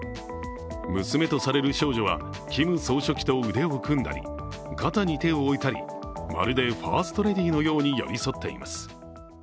娘とされる少女はキム総書記と腕を組んだり肩に手を置いたり、まるでファーストレディーのように寄り添っています。